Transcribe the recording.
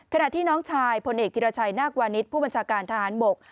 ขณะที่น้องชายพลเอกธิรชัยนาควานิสผู้บัญชาการทหารบก